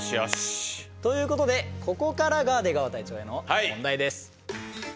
ということでここからが出川隊長への問題です。